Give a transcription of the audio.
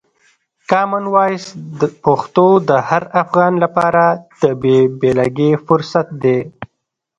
کامن وایس پښتو د هر افغان لپاره د بې بېلګې فرصت دی.